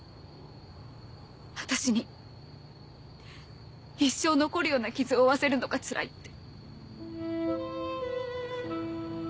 私に一生残るような傷を負わせるのがつらいって。